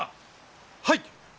はい。